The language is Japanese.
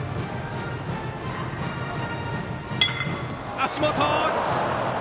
足元！